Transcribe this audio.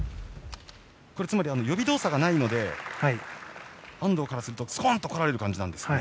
つまり呼び動作がないので安藤からするとすこんと来られる感じなんですね。